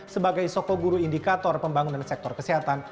sebagai sokoguru indikator pembangunan sektor kesehatan